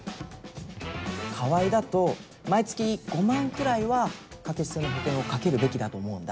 川合だと毎月５万くらいは掛け捨ての保険をかけるべきだと思うんだ。